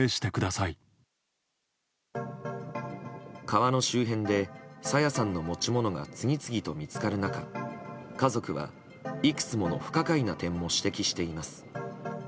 川の周辺で朝芽さんの持ち物が次々と見つかる中家族は、いくつもの不可解な点も指摘しています。